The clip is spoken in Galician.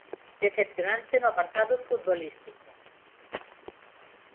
Decepcionante no apartado futbolístico.